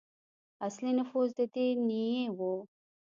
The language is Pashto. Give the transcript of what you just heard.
اصلي نفوس د دې نیيي وو.